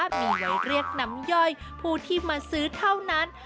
มีไว้เรียกน้ำย่อยผู้ที่มาซื้อเท่านั้น